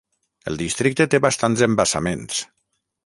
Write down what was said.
El districte té bastants embassaments.